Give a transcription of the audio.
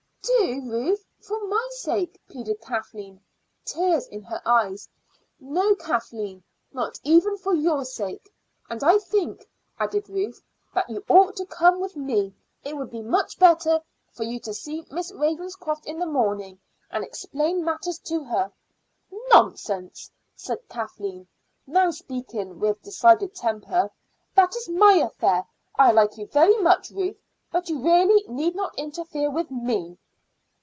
"Do, Ruth, for my sake," pleaded Kathleen, tears in her eyes. "No, Kathleen, not even for your sake. And I think," added Ruth, "that you ought to come with me. It would be much better for you to see Miss Ravenscroft in the morning and explain matters to her." "Nonsense!" said Kathleen, now speaking with decided temper. "That is my affair. I like you very much, Ruth, but you really need not interfere with me."